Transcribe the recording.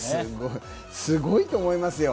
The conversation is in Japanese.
すごいと思いますよ。